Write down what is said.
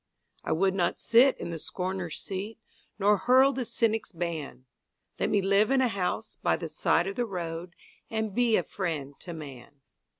I would not sit in the scorner's seat Nor hurl the cynic's ban Let me live in a house by the side of the road And be a friend to man.